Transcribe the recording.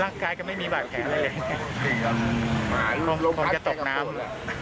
ร่างกายก็ไม่มีแบบแขนอะไรเลยคงจะตกน้ำ